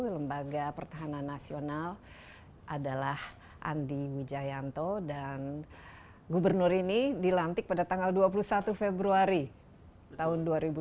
lembaga pertahanan nasional adalah andi wijayanto dan gubernur ini dilantik pada tanggal dua puluh satu februari tahun dua ribu dua puluh